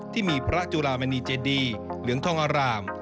ที่มีพระจุลามณีเจดีเหลืองทองอาราม